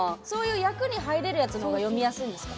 役に入れるやつのほうが読みやすいんですか？